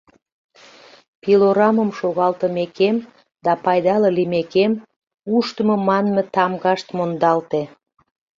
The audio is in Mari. Пилорамым шогалтымекем да пайдале лиймекем, «ушдымо» манме тамгашт мондалте.